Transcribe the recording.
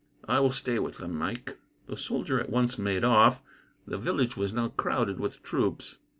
"I will stay with them, Mike." The soldier at once made off. The village was now crowded with troops.